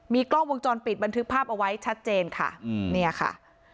กล้องวงจรปิดบันทึกภาพเอาไว้ชัดเจนค่ะเนี่ยค่ะ